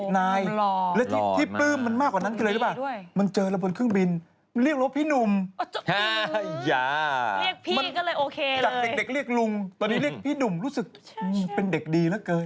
นายและที่ปื้มมันมากกว่านั้นเลยหรือเปล่ามันเจอระบบเครื่องบินมันเรียกรถพี่หนุ่มจับเด็กเรียกลุงตอนนี้เรียกพี่หนุ่มรู้สึกเป็นเด็กดีเหลือเกิน